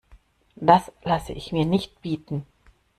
Das lasse ich mir nicht bieten!